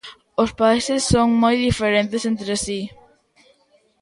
Os países son moi diferentes entre si.